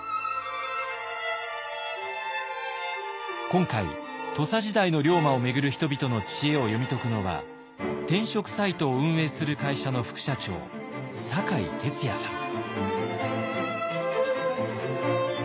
今回土佐時代の龍馬を巡る人々の知恵を読み解くのは転職サイトを運営する会社の副社長酒井哲也さん。